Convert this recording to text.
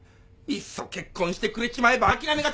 いっそ結婚してくれちまえば諦めがつくのに！